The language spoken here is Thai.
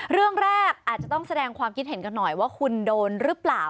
เรื่องแรกอาจจะต้องแสดงความคิดเห็นกันหน่อยว่าคุณโดนหรือเปล่า